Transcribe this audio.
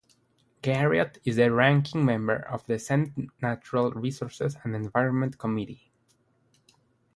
Garriott is the ranking member of the Senate Natural Resources and Environment Committee.